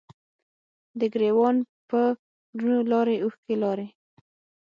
د ګریوان په ورونو لارې، اوښکې لارې